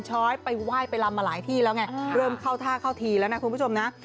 ช้อยไปไหว้ไปลำมาหลายที่แล้วไงเริ่มเข้าท่าเข้าทีแล้วนะคุณผู้ชมนะ